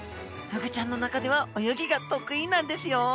フグちゃんの中では泳ぎが得意なんですよ。